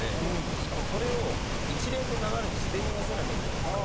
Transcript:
しかもそれを一連の流れで自然に見せなきゃいけないんですよ